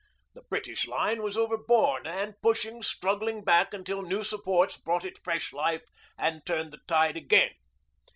The British line was overborne, and pushed struggling back until new supports brought it fresh life and turned the tide again.